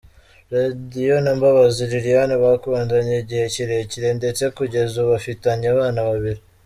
Radio na Mbabazi Lilian bakundanye igihe kirekire ndetse kugeza ubu bafitanye abana babiri.